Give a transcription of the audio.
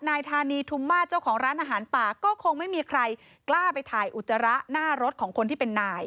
นายธานีทุมมาตรเจ้าของร้านอาหารป่าก็คงไม่มีใครกล้าไปถ่ายอุจจาระหน้ารถของคนที่เป็นนาย